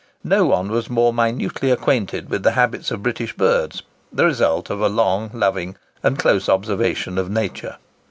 No one was more minutely acquainted with the habits of British birds, the result of a long, loving, and close observation of nature.